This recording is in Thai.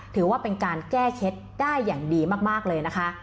ถือว่าเป็นการแก้เคล็ดได้อย่างดีมากเลยนะคะ